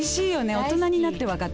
大人になって分かった